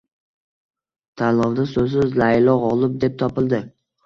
Tanlovda so`zsiz Laylo g`olib deb topildi